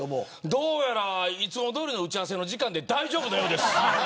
どうやら、いつもどおりの打ち合わせの時間で大丈夫なようです。